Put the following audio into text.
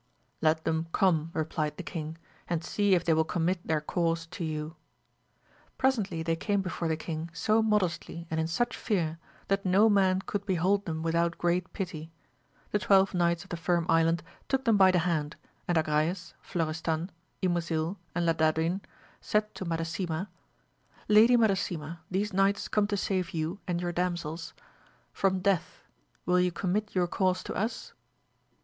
Let them come, replied the king, and see if they will commit their cause to you. Presently they came before the king so modestly and in such fear that not a man could behold them with out great pity. The twelve knights of the Firm Island took them by the hand, and Agrayes, Florestau, Ymosil and Ladadin said to Madasima, Lady Madasi ma, these knights come to save you and your dasa&OiU 136 AMADIS OF GAUL. from death, will you commit your cause to us